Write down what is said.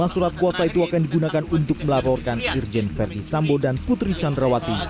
lima surat kuasa itu akan digunakan untuk melaporkan irjen verdi sambo dan putri candrawati